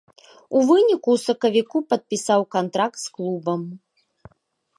У выніку ў сакавіку падпісаў кантракт з клубам.